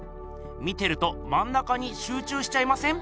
見てるとまん中にしゅう中しちゃいません？